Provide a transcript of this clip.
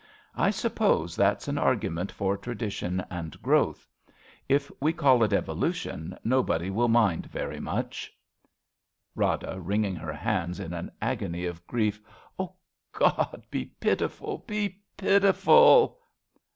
I suppose that's an argument for tradition and growth. If we call it Evolution, nobody will mind very much. 24 A BELGIAN CHRISTMAS EVE Rada {wringing her hands in an agony of grief ). Oh, God, be pitiful, be pitiful